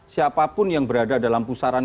siapapun yang berada dalam pusaran